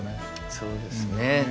そうですね。